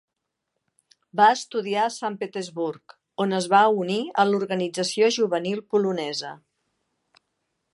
Va estudiar a Sant Petersburg, on es va unir a l'organització juvenil polonesa.